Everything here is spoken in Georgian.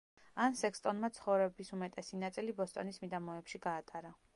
ან სექსტონმა ცხოვრების უმეტესი ნაწილი ბოსტონის მიდამოებში გაატარა.